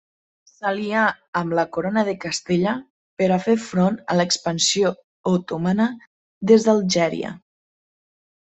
S'alià amb la corona de Castella per a fer front a l'expansió otomana des d'Algèria.